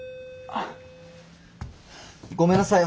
ごめんなさい